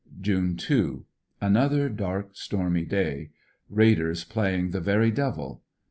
June 2. — Another dark, stormy day. Raiders playing the very devil.